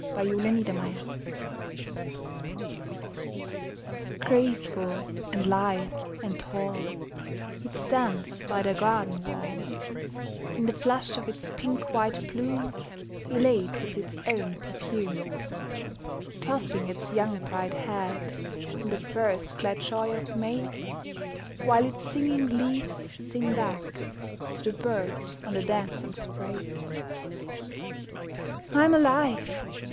THE APPLE TREE Graceful and lithe and tall, It stands by the garden wall, In the flush of its pink white bloom Elate with its own perfume. Tossing its young bright head In the first glad joy of May, While its singing leaves sing back To the bird on the dancing spray. " I'm alive